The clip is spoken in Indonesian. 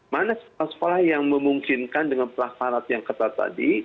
mana sekolah yang memungkinkan dengan pelas pelas yang ketat tadi